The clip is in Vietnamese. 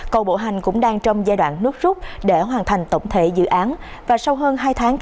cầu bộ hành cũng đang trong giai đoạn nước rút để hoàn thành tổng thể dự án